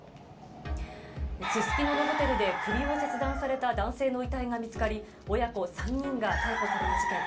すすきののホテルで首を切断された男性の遺体が見つかり親子３人が逮捕された事件。